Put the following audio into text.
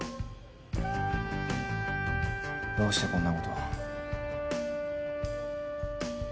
どうしてこんなことを？